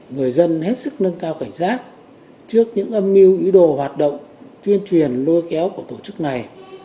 người dân hết sức nâng cao cảnh giác trước những âm mưu ý đồ hoạt động tuyên truyền lôi kéo của tổ chức này